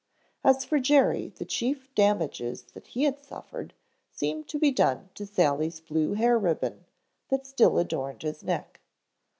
As for Jerry, the chief damages that he had suffered seemed to be done to Sally's blue hair ribbon, that still adorned his neck.